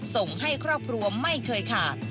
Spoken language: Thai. ส่งให้ครอบครัวไม่เคยขาด